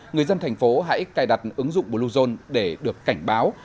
người dân tp hcm hãy cài đặt ứng dụng bluezone để được cảnh báo